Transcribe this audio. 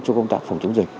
cho công tác phòng chống dịch